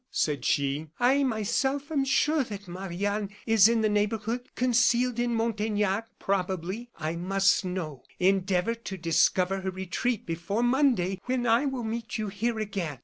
said she, "I, myself, am sure that Marie Anne is in the neighborhood, concealed in Montaignac, probably. I must know. Endeavor to discover her retreat before Monday, when I will meet you here again."